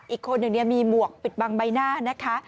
อีกคนหนึ่งมีหมวกปิดบังใบหน้านะคะ